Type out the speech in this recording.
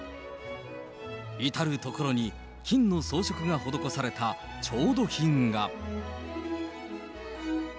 至る所に金の装飾が施された調度品が。